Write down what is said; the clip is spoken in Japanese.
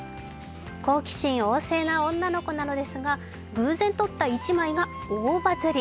好奇心旺盛な女の子なのですが、偶然撮った１枚が大バズり。